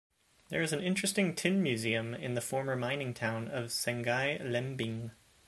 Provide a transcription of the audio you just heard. There is an interesting Tin Museum in the former mining town of Sungai Lembing.